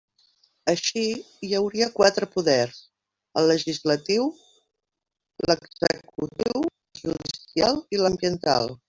Així, hi hauria quatre poders: el legislatiu, l'executiu, el judicial i l'ambiental.